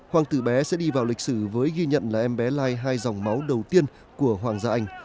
hoàng tử bé sẽ đi vào lịch sử với ghi nhận là em bé lai hai dòng máu đầu tiên của hoàng gia anh